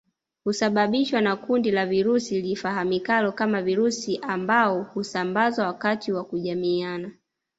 Husababishwa na kundi la virusi lifahamikalo kama virusi ambao husambazwa wakati wa kujamiiana